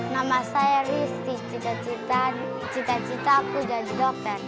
nama saya risti cita citaku jadi dokter